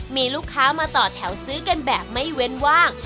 มีลูกค้ามาต่อแถวซื้อกันแบบไม่เว้นว่าง